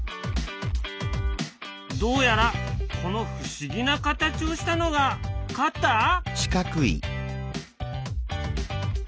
どうやらこの不思議な形をしたのがカッター？